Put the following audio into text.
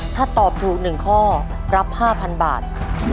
ถ้าตอบถูก๑ข้อรับ๕๐๐๐บาท